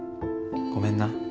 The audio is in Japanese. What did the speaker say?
ごめんな。